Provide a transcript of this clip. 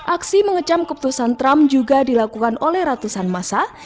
aksi mengecam keputusan trump juga dilakukan oleh ratusan masa